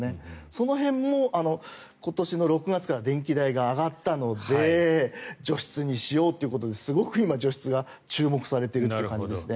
その辺も今年の６月から電気代が上がったので除湿にしようということですごく今、除湿が注目されている感じですね。